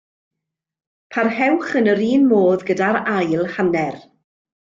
Parhewch yn yr un modd gyda'r ail hanner.